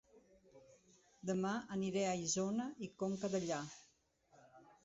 Dema aniré a Isona i Conca Dellà